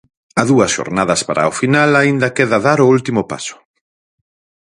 A dúas xornadas para o final aínda queda dar o último paso.